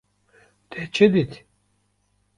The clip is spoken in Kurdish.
Te çi dît?